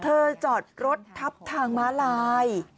จอดรถทับทางม้าลาย